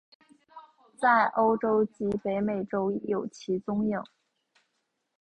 在欧洲及北美洲亦有其踪影。